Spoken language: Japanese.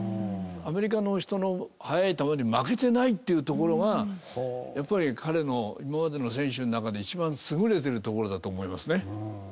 アメリカの人の速い球に負けてないっていうところがやっぱり彼の今までの選手の中で一番優れてるところだと思いますね。